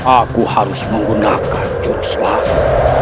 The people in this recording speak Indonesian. aku harus menggunakan jurus lain